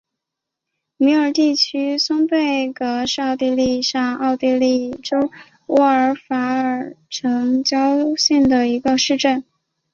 米尔地区松贝格是奥地利上奥地利州乌尔法尔城郊县的一个市镇。